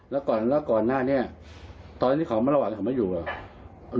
แล้วก่อนแล้วก่อนหน้านี้ตอนที่เขามาระหว่างเขามาอยู่เหรอ